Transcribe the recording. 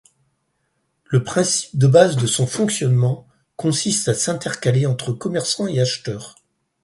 Le principe de base de son fonctionnement consiste à s'intercaller entre commerçants et acheteurs.